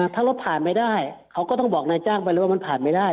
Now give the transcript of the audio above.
ถ้ารถผ่านไม่ได้เขาก็ต้องบอกนายจ้างไปเลยว่ามันผ่านไม่ได้